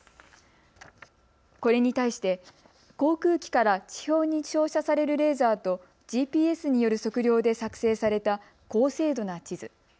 これに対して航空機から地表に照射されるレーザーとＧＰＳによる測量で作成された高精度な地図。